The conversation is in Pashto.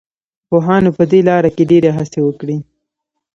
پوهانو په دې لاره کې ډېرې هڅې وکړې.